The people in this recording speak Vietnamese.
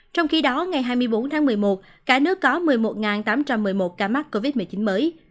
trong khi đó ngày hai mươi bốn tháng một mươi một cả nước có một mươi một tám trăm một mươi một ca mắc covid một mươi chín mới